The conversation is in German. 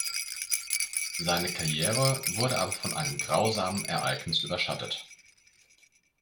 Seine Karriere wurde aber von einem grausamen Ereignis überschattet.